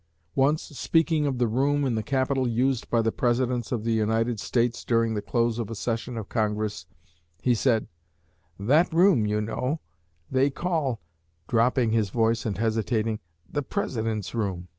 Once, speaking of the room in the Capitol used by the Presidents of the United States during the close of a session of Congress, he said, 'That room, you know, that they call' dropping his voice and hesitating 'the President's room.'